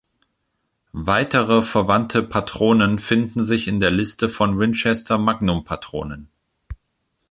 Weitere verwandte Patronen finden sich in der Liste von Winchester-Magnum-Patronen.